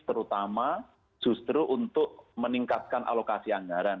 terutama justru untuk meningkatkan alokasi anggaran